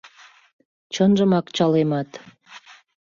Чынжымак чалемат...